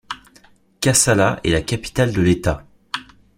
Kassala est la capitale de l'État.